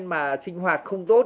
mà sinh hoạt không tốt